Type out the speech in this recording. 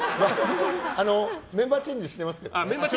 メンバーチェンジしてますけど。